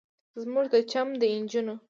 زموږ د چم د نجونو